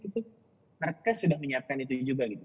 itu mereka sudah menyiapkan itu juga gitu